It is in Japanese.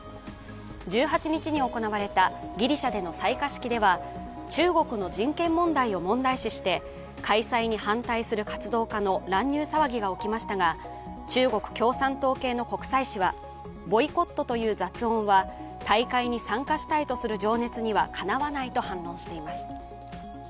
１８日に行われたギリシャでの採火式では中国の人権問題を問題視して開催に反対する活動家の乱入騒ぎが起きましたが、中国共産党系の国際紙はボイコットという雑音は大会に参加したいという情熱にはかなわないと反論しています。